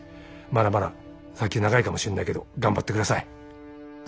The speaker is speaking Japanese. まだまだ先は長いかもしんないけど頑張ってください。